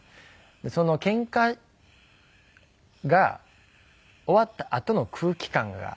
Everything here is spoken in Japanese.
そのケンカが終わったあとの空気感が好きで。